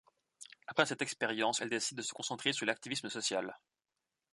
Après cette expérience, elle décide de se concentrer sur l'activisme social.